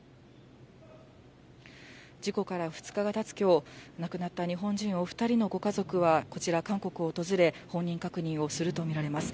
事故から２日がたつきょう、亡くなった日本人お２人のご家族は、こちら韓国を訪れ、本人確認をすると見られます。